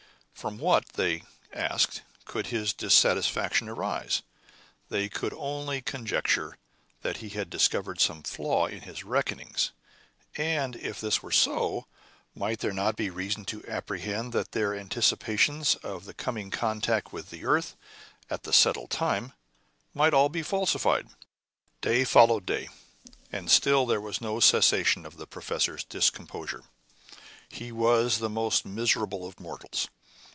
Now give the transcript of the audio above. From what, they asked, could his dissatisfaction arise? They could only conjecture that he had discovered some flaw in his reckonings; and if this were so, might there not be reason to apprehend that their anticipations of coming into contact with the earth, at the settled time, might all be falsified? Day followed day, and still there was no cessation of the professor's discomposure. He was the most miserable of mortals.